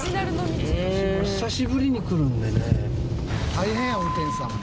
大変や運転手さんも。